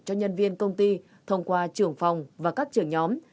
cho nhân viên công ty thông qua trưởng phòng và các trưởng nhóm